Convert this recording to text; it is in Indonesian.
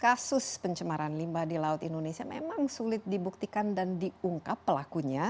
kasus pencemaran limbah di laut indonesia memang sulit dibuktikan dan diungkap pelakunya